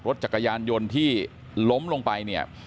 รถจักรยานยนต์ที่ล้มลงไปเนี่ย